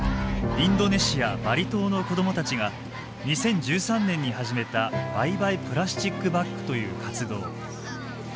インドネシアバリ島の子供たちが２０１３年に始めたバイバイプラスチックバッグという活動。